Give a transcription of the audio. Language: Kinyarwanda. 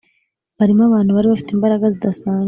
barimo abantu bari bafite imbaraga zidasanzwe.